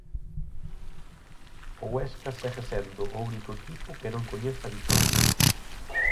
O Huesca segue sendo o único equipo que non coñece a vitoria.